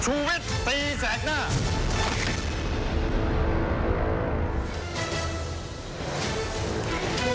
ชูวิทย์ตีแสกหน้า